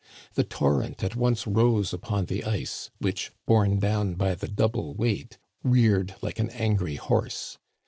The torrent at once rose upon the ice, which, borne down by the double weight, reared like an angry horse.